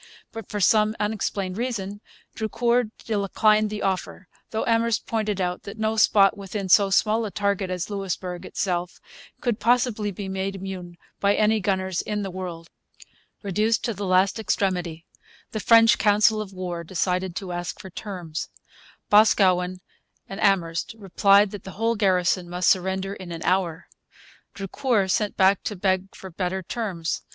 But, for some unexplained reason, Drucour declined the offer; though Amherst pointed out that no spot within so small a target as Louisbourg itself could possibly be made immune by any gunners in the world. Reduced to the last extremity, the French council of war decided to ask for terms. Boscawen and Amherst replied that the whole garrison must surrender in an hour. Drucour sent back to beg for better terms.